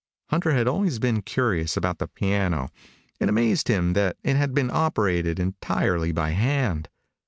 Hunter had always been curious about the piano. It amazed him that it had been operated entirely by hand.